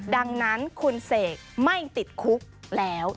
ดังนั้นคุณเสกไม่ติดคุกแล้ว